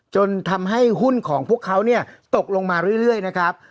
จนทำให้หุ้นของพวกเขาเนี่ยตกลงมาเรื่อยนะครับ